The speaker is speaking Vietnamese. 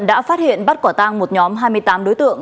đã phát hiện bắt quả tang một nhóm hai mươi tám đối tượng